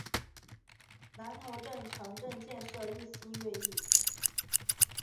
南头镇城镇建设日新月异。